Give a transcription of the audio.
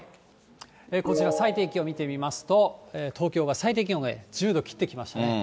こちら、最低気温を見てみますと、東京が最低気温が１０度切ってきましたね。